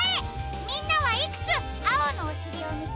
みんなはいくつあおのおしりをみつけられたかな？